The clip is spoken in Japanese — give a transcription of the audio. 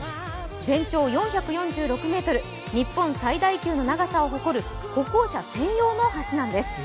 全長４４６ｍ、日本最大級の長さを誇る歩行者専用の橋なんです。